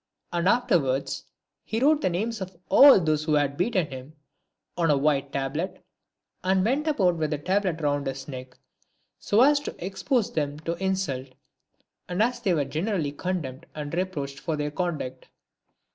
And afterwards he wrote the names of all those who had beaten him, on a white tablet, and went about with the tablet round his neck, so as to expose them to insult, as they were generally condemned and reproached for their conduct.